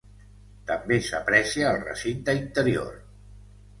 També s'aprecia el recinte interior.